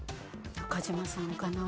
中島さんかな。